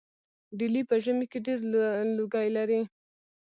ډیلي په ژمي کې ډیر لوګی لري.